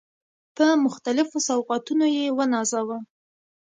په مختلفو سوغاتونو يې ونازاوه.